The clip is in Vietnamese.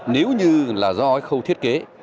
nếu như là do khâu thiết kế